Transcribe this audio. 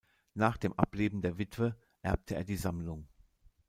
Nach dem Ableben der Witwe erbte er die Sammlung.